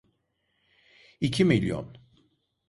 İki milyon…